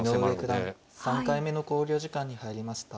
井上九段３回目の考慮時間に入りました。